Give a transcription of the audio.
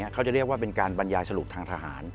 เขาจะเรียกว่าเป็นการบรรยายสรุปทางทหาร